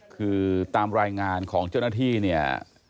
คือตามรายงานของเจ้าหน้าที่เนี่ย